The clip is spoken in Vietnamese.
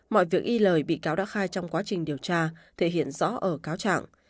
mọi việc y lời bị cáo đã khai trong quá trình điều tra thể hiện rõ ở cáo trạng